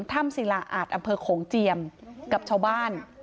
ศิลาอาจอำเภอโขงเจียมกับชาวบ้าน